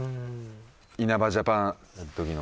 稲葉ジャパンの時の。